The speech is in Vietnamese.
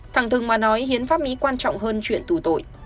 thẳng thừng mà nói hiến pháp mỹ quan trọng hơn chuyện tù tội